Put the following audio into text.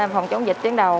phòng chống dịch tuyến đầu